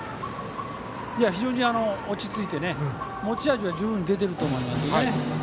非常に落ち着いて持ち味は十分出ていると思います。